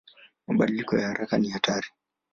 Mabadiliko ya haraka ni hatari.